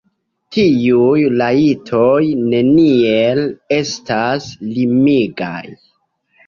Tiuj rajtoj neniel estas limigaj.